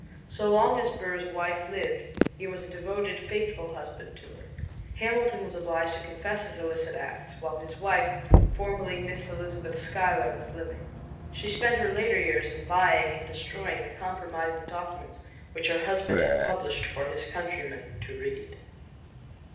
So long as Burr's wife lived he was a devoted, faithful husband to her. Hamilton was obliged to confess his illicit acts while his wife, formerly Miss Elizabeth Schuyler, was living. She spent her later years in buying and destroying the compromising documents which her husband had published for his countrymen to read.